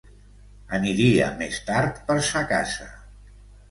Aniria més tard per sa casa.